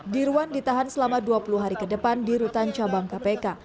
dirwan ditahan selama dua puluh hari ke depan di rutan cabang kpk